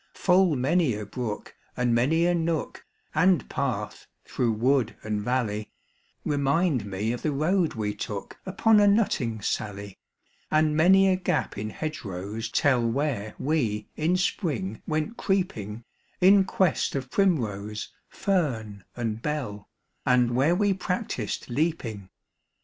Full many a brook and many a nook And path through wood and valley, Eemind me of the road we took Upon a nutting sally : And many a gap in hedge rows tell Where we in Spring went creeping, In quest of primrose, fern, and bell, And where we practised leaping.